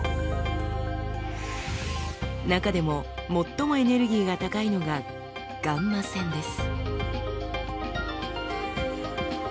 中でも最もエネルギーが高いのがガンマ線です。